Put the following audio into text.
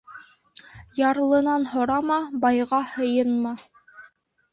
Ярлынан һорама, байға һыйынма.